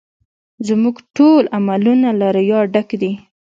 زموږ ټول عملونه له ریا ډک دي